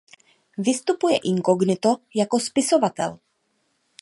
Vystupuje inkognito jako spisovatel.